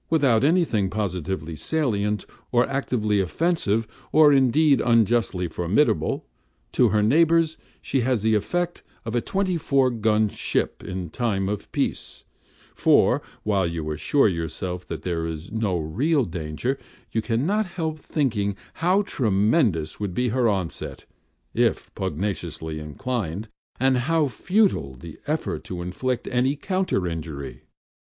Without anything positively salient, or actively offensive, or, indeed, unjustly formidable to her neighbors, she has the effect of a seventy four gun ship in time of peace; for, while you assure yourself that there is no real danger, you can not help thinking how tremendous would be her onset, if pugnaciously inclined, and how futile the effort to inflict any counter injury.